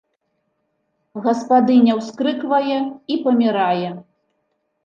Гаспадыня ўскрыквае і памірае.